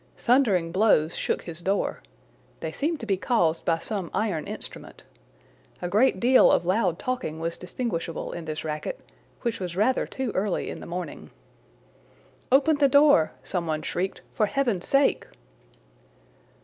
Thundering blows shook his door. They seemed to be caused by some iron instrument. A great deal of loud talking was distinguishable in this racket, which was rather too early in the morning. "Open the door," some one shrieked, "for heaven's sake!"